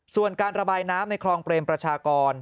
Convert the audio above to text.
ส่วนการระบายน้ำในคลองเปรมประชากร